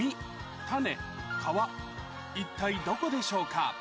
一体どこでしょうか